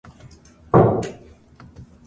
But damn your happiness!